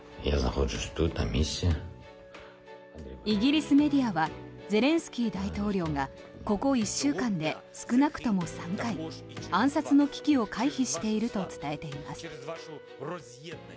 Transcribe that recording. イギリスメディアはゼレンスキー大統領がここ１週間で少なくとも３回暗殺の危機を回避していると伝えています。